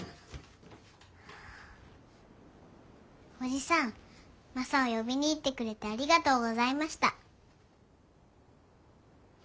叔父さんマサを呼びに行ってくれてありがとうございました。